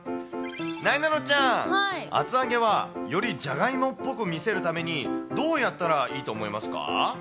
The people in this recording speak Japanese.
なえなのちゃん、厚揚げはよりじゃがいもっぽく見せるために、どうやったらいいとえ？